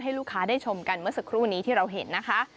ลูกค้าได้ชมกันเมื่อสักครู่นี้ที่เราเห็นนะคะ